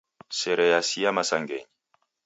Sere yasia masangenyi.